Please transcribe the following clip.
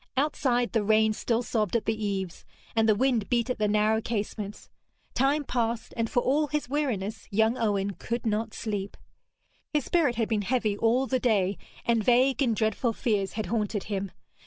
Outside, the rain still sobbed at the eaves, and the wind beat at the narrow casements. Time passed, and for all his weariness young Owen could not sleep. His spirit had been heavy all the day, and vague and dreadful fears had haunted him.